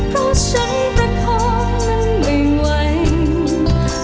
เพราะฉันรักคนั้นไม่ไหว